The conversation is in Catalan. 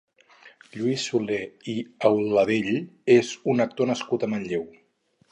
Lluís Soler i Auladell és un actor nascut a Manlleu.